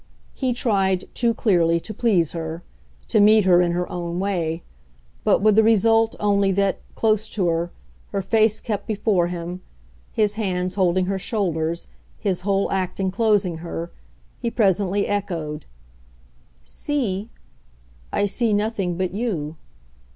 He tried, too clearly, to please her to meet her in her own way; but with the result only that, close to her, her face kept before him, his hands holding her shoulders, his whole act enclosing her, he presently echoed: "'See'? I see nothing but you."